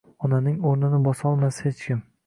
Onaning urnini bosolmas xechkim